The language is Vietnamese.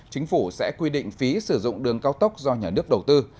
chính phủ sẽ quy định phí sử dụng đường cao tốc do nhà nước đầu tư